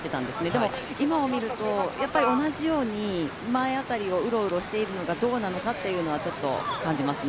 でも、今をみると、同じように前辺りをうろうろしているのがどうなのかというのは、ちょっと感じますね。